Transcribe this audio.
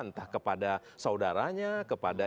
entah kepada saudaranya kepada